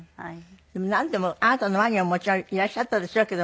でもなんでもあなたの前にももちろんいらっしゃったでしょうけども。